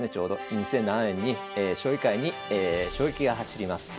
２００７年に将棋界に衝撃が走ります。